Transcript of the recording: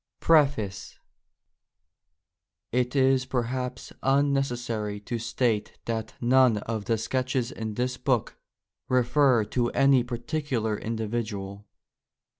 PREFACE It is perhaps unnecessary to state that none of the sketches in this book refer to any particular individual.